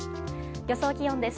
予想気温です。